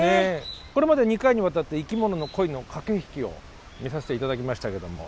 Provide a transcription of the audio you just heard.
これまで２回にわたって生きものの恋の駆け引きを見さしていただきましたけども。